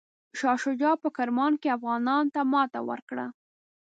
شاه شجاع په کرمان کې افغانانو ته ماته ورکړه.